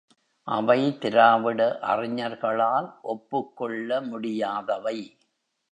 அவை திராவிட அறிஞர்களால் ஒப்புக்கொள்ள முடியாதவை.